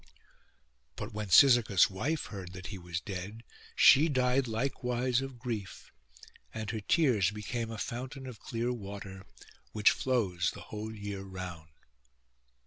But when Cyzicus' wife heard that he was dead she died likewise of grief; and her tears became a fountain of clear water, which flows the whole year round.